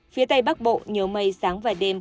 phía tây bắc bộ nhiều mây sáng và đêm